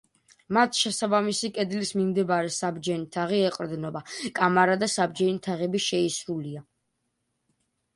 მათ შესაბამისი კედლის მიმდებარე საბჯენი თაღი ეყრდნობა კამარა და საბჯენი თაღები შეისრულია.